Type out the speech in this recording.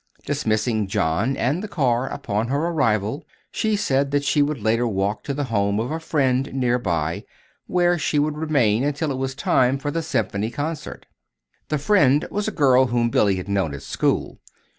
Dismissing John and the car upon her arrival, she said that she would later walk to the home of a friend near by, where she would remain until it was time for the Symphony Concert. This friend was a girl whom Billy had known at school.